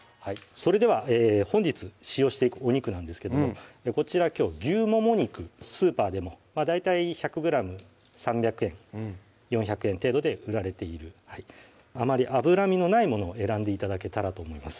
それでは本日使用していくお肉なんですけどもこちらきょう牛もも肉スーパーでも大体１００ｇ３００円・４００円程度で売られているあまり脂身のないものを選んで頂けたらと思います